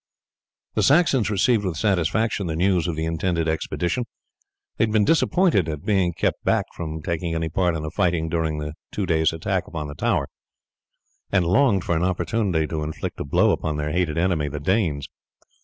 The Saxons received with satisfaction the news of the intended expedition. They had been disappointed at being kept back from taking any part in the fighting during the two days' attack upon the tower, and longed for an opportunity to inflict a blow upon their hated enemy the Danes.